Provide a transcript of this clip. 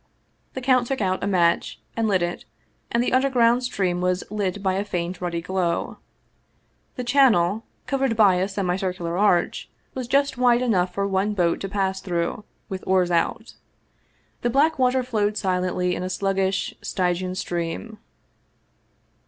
The count took out a match and lit it, and the underground stream was lit by a faint ruddy glow. The channel, covered by a semi circular arch, was just wide enough for one boat to pass through, with oars out. The black water flowed silently by in a sluggish, Stygian stream.